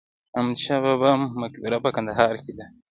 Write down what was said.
د احمد شاه بابا مقبره په کندهار کې ده